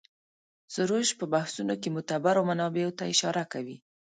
سروش په بحثونو کې معتبرو منابعو ته اشاره کوي.